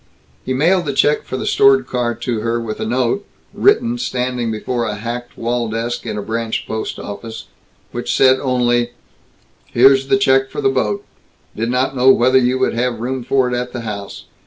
He mailed the check for the stored car to her, with a note written standing before a hacked wall desk in a branch post office which said only, "Here's check for the boat. Did not know whether you would have room for it at house.